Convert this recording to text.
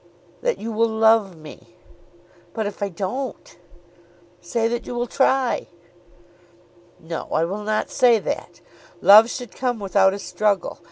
"That you will love me." "But if I don't?" "Say that you will try." "No; I will not say that. Love should come without a struggle.